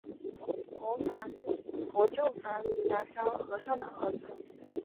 国舅房林牙萧和尚的儿子。